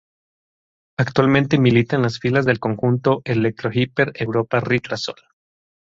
Actualmente milita en las filas del conjunto Electro Hiper Europa-Ristrasol.